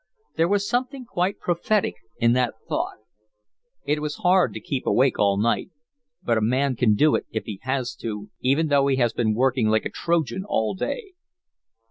There was something quite prophetic in that thought. It is hard to keep awake all night, but a man can do it if he has to even though he has been working like a Trojan all day.